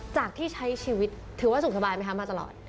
จากที่ใช้ชีวิตถือว่าสุขสบายไหมคะมาตลอด